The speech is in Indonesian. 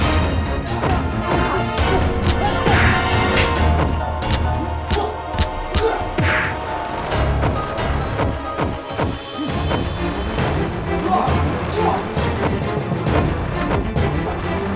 imahkamat brutegu stop bahkanlah tidak untuk lelaki